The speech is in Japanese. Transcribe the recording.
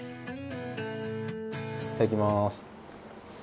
いただきます。